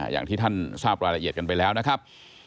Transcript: อย่างที่ท่านทราบรายละเอียดกันไปแล้วนะครับ